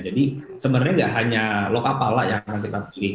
jadi sebenarnya tidak hanya lokapala yang akan kita pilih